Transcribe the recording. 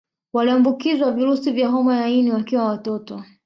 Waliombukizwa virusi vya homa ya ini wakiwa watoto